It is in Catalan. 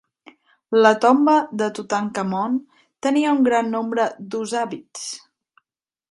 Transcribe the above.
La tomba de Tutankamon tenia un gran nombre d'ushabtis.